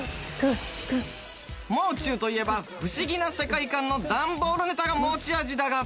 もう中といえば不思議な世界観の段ボールネタが持ち味だが。